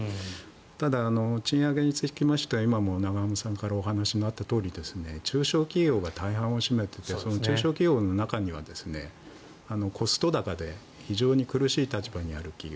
ただ、賃上げにつきましては今、永濱さんからお話があったとおり中小企業が大半を占めていてその中小企業の中にはコスト高で非常に苦しい立場にある企業。